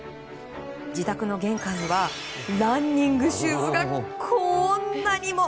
自宅の玄関にはランニングシューズがこんなにも。